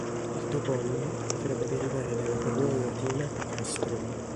Il toponimo potrebbe derivare dalla parola latina "castrum".